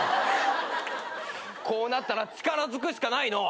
こうなったら力ずくしかないのう。